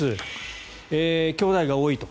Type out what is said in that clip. きょうだいが多いと。